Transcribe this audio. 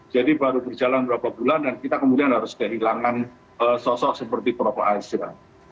jadi baru berjalan beberapa bulan dan kita kemudian harus kehilangan sosok seperti prof azra